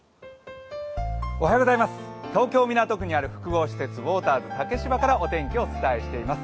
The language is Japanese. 東京・港区にある複合施設、ウォーターズ竹芝からお伝えしています。